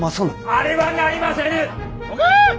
あれはなりませぬ！